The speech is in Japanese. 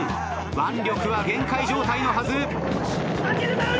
腕力は限界状態のはず。